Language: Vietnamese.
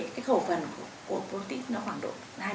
cái khẩu phần của protein nó khoảng độ hai mươi năm ba mươi